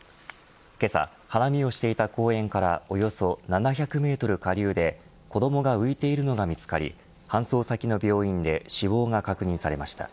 けさ、花見をしていた公園からおよそ７００メートル下流で子どもが浮いているのが見つかり搬送先の病院で死亡が確認されました。